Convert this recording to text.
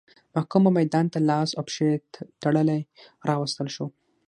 محکوم به میدان ته لاس او پښې تړلی راوستل شو.